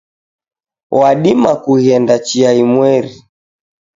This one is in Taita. Wadima kughenda chia imweri